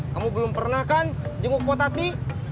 kamu belum pernah kan jenguk kuat hati